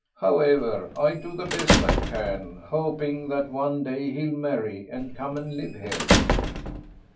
However, I do the best I can, hoping that one day he'll marry and come and live here."